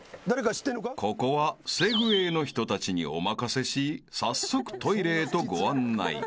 ［ここはセグウェイの人たちにお任せし早速トイレへとご案内］